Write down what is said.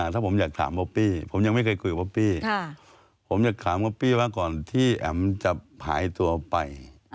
ถ้าผมอยากถามบ๊อปปี้ผมยังไม่เคยคุยกับบ๊อปปี้ผมอยากถามบ๊อปปี้ว่าก่อนที่แอ๋มจะหายตัวไป